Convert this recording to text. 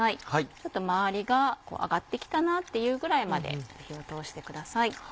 ちょっと周りが揚がってきたなっていうくらいまで火を通してください。